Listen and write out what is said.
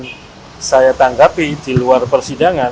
yang saya tanggapi di luar persidangan